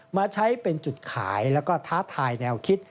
มาใช้เป็นจุดขายแล้วก็ท้าทายแนวคิด